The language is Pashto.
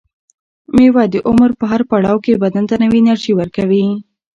مېوه د عمر په هر پړاو کې بدن ته نوې انرژي ورکوي.